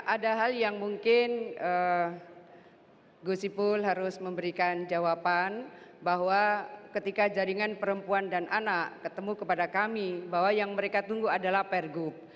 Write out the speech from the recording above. ada hal yang mungkin gus ipul harus memberikan jawaban bahwa ketika jaringan perempuan dan anak ketemu kepada kami bahwa yang mereka tunggu adalah pergub